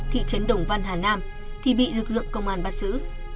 thị trấn đồng văn hà nam thì bị lực lượng công an bắt giữ